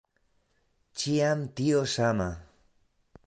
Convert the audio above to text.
Ĉiam tio sama!